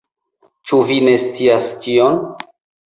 Ĉu vi ne scias tion?